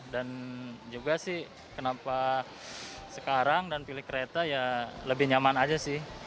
dan juga sih kenapa sekarang dan pilih kereta ya lebih nyaman aja sih